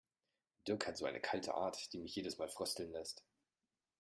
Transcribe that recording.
Dirk hat so eine kalte Art, die mich jedes Mal frösteln lässt.